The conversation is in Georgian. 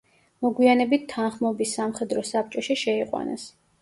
მოგვიანებით თანხმობის სამხედრო საბჭოში შეიყვანეს.